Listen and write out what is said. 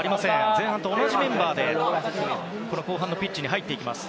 前半と同じメンバーで後半のピッチに入っていきます。